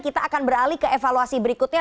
kita akan beralih ke evaluasi berikutnya